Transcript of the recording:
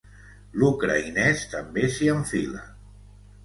L'ucraïnès també s'hi enfila.